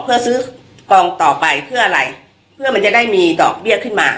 เพื่อซื้อกองต่อไปเพื่ออะไรเพื่อมันจะได้มีดอกเบี้ยขึ้นมา